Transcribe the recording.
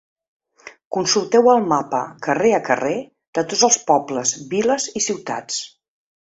Consulteu el mapa, carrer a carrer, de tots els pobles, viles i ciutats.